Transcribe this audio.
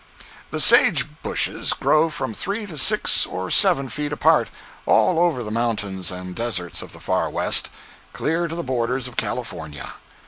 ]—The sage bushes grow from three to six or seven feet apart, all over the mountains and deserts of the Far West, clear to the borders of California.